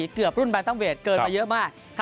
เกือบรุ่นแบตเติมเวทเกินไปเยอะมาก